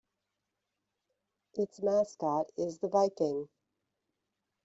Its mascot is the Viking.